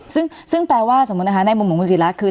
ซึ่งแปลว่าสมมุตินะคะในมุมของคุณศิระคือ